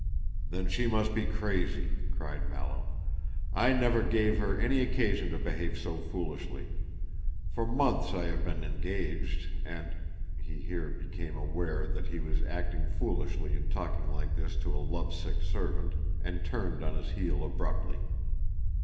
"Then she must be crazy," cried Mallow: "I never gave her any occasion to behave so foolishly. For months I have been engaged, and " he here became aware that he was acting foolishly in talking like this to a love sick servant, and turned on his heel abruptly.